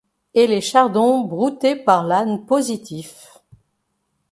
Et les chardons, broutés par l'âne positif